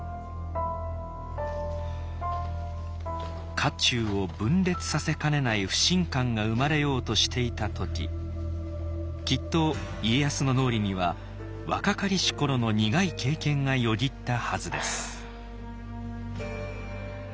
家中を分裂させかねない不信感が生まれようとしていた時きっと家康の脳裏には若かりし頃の苦い経験がよぎったはずです。